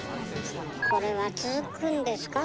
これは続くんですか？